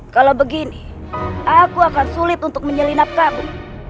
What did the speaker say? kalau begini aku akan sulit untuk menyelinap kamu